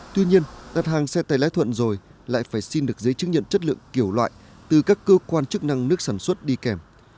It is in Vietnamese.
tuy nhiên đặt hàng xe tay lái thuận rồi lại phải xin được giấy chứng nhận chất lượng kiểu loại từ các cơ quan chức năng nước sản xuất đi kèm